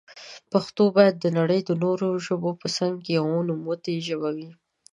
پښتو بايد دنړی د نورو ژبو په څنګ کي يوه نوموتي ژبي وي.